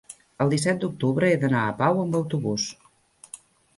el disset d'octubre he d'anar a Pau amb autobús.